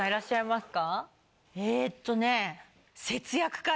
えっとね。